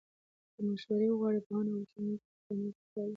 که مشوره وغواړې، پوهان او ښوونکي ستا مرسته کولای شي.